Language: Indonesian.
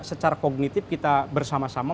secara kognitif kita bersama sama